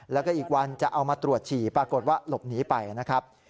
แล้วก็อีกวันจะเอามาตรวจฉี่ปรากฏว่าหลบหนีไปนะครับ